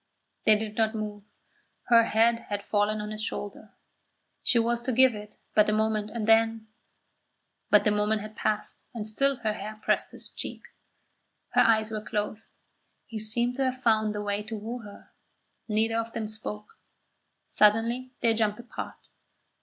They did not move. Her head had fallen on his shoulder. She was to give it but a moment, and then But the moment had passed and still her hair pressed his cheek. Her eyes were closed. He seemed to have found the way to woo her. Neither of them spoke. Suddenly they jumped apart.